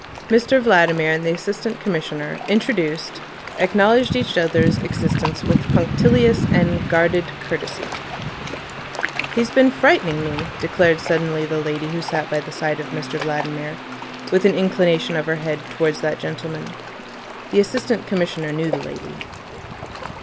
Mr Vladimir and the Assistant Commissioner, introduced, acknowledged each other's existence with punctilious and guarded courtesy. "He's been frightening me," declared suddenly the lady who sat by the side of Mr Vladimir, with an inclination of the head towards that gentleman. The Assistant Commissioner knew the lady.